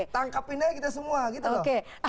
tangkapin aja kita semua gitu loh